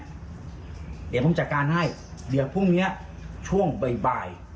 เดี๋ยวผมจัดการให้เดี๋ยวพรุ่งนี้ช่วงบ่าย